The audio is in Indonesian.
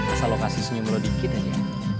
asal lo kasih senyum lo dikit aja